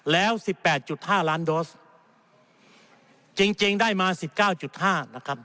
แล้วสิบแปดจุดห้าล้านโดสจริงจริงได้มาสิบเก้าจุดห้านะครับ